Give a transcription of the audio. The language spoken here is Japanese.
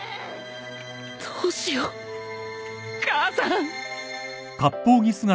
どうしよう母さん